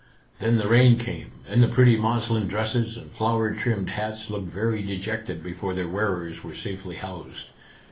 Then the rain came, and the pretty muslin dresses and flower trimmed hats looked very dejected before their wearers were safely housed